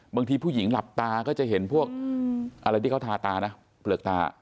บางทีผู้หญิงหลับตาก็จะเห็นพวกอะไรที่เขาทาตานะเปลือกตา